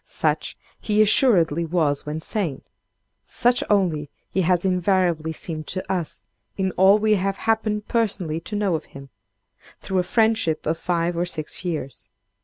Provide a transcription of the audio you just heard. Such he assuredly was when sane. Such only he has invariably seemed to us, in all we have happened personally to know of him, through a friendship of five or six years.